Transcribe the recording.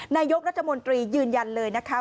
นายกรัฐมนตรียืนยันเลยนะคะ